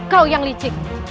kau yang licik